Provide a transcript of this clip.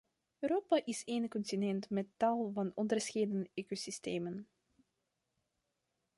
Europa is een continent met tal van onderscheiden ecosystemen.